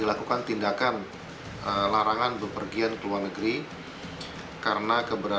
apakah sistem politik kita begini bisa menghabiskan semua